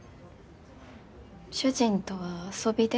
主人とは遊びで？